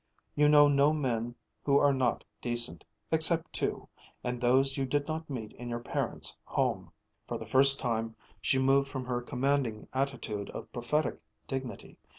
You know no men who are not decent except two and those you did not meet in your parents' home." For the first time she moved from her commanding attitude of prophetic dignity.